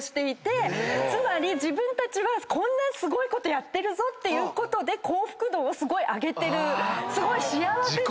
つまり自分たちはこんなすごいことやってるってことで幸福度をすごい上げてるすごい幸せな人たち。